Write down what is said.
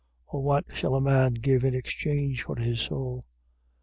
8:37. Or what shall a man give in exchange for his soul: 8:38.